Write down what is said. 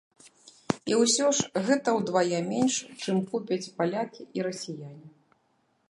І ўсё ж гэта ўдвая менш, чым купяць палякі і расіяне.